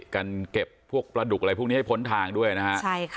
กันเก็บประดุกอะไรพวกนี้ให้พ้นทางด้วยนะครับ